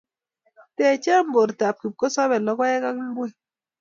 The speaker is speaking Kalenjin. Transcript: Techei bortab kipkosobei logoek ak ngwek